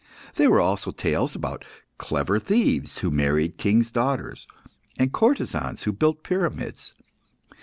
There were also tales about clever thieves who married kings' daughters, and courtesans who built pyramids.